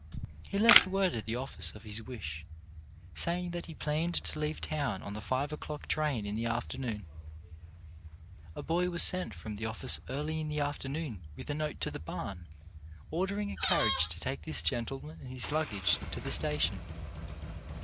He left word at the office of his wish, saying that he planned to leave town on the five o'clock train in the afternoon. A boy was sent from the office early in the afternoon with a note to the barn ordering a carriage to take this gentle man and his luggage to the station.